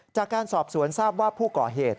จากการสอบสวนทราบว่าผู้ก่อเหตุ